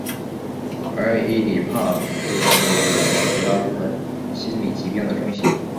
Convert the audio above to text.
而伊底帕斯情结也是绝大部分心理疾病的中心。